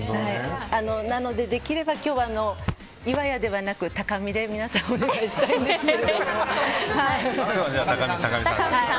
なので、できれば今日は岩谷ではなく貴美で皆さんお願いしたいんですけど。